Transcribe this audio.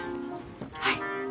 はい。